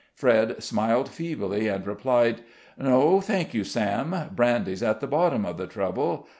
Fred smiled feebly, and replied, "No, thank you, Sam; brandy's at the bottom of the trouble.